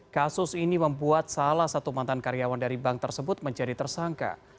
kasus ini membuat salah satu mantan karyawan dari bank tersebut menjadi tersangka